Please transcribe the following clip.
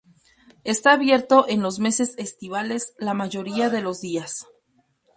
Está abierto en los meses estivales la mayoría de los días.